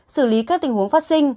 xử lý các tình huống phát sinh